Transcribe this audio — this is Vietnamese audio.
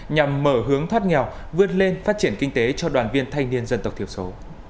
nhằm mở hướng thoát nghèo vươn lên phát triển kinh tế cho đoàn viên thanh niên dân tộc thiểu số